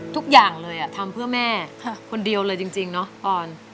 ทุกอย่างเลยทำเพื่อแม่คนเดียวเลยจริงเนาะปอน